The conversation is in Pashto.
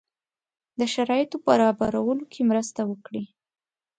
د شرایطو په برابرولو کې مرسته وکړي.